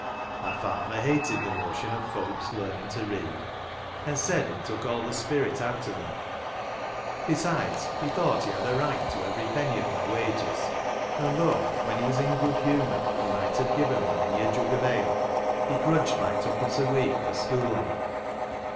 My father hated the notion of folks learning to read, and said it took all the spirit out of them ; besides, he thought he had a right to every penny of my wages, and though, when he was in good _ humour, he might have given me many a jug of ale, he Charles Dickens THE HEART OF JOHN M1DDLETON. 327 grudged my two pence a week for schooling.